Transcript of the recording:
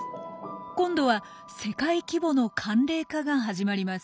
今度は世界規模の寒冷化が始まります。